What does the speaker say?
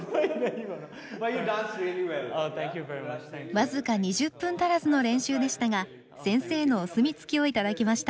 僅か２０分足らずの練習でしたが先生のお墨付きを頂きました！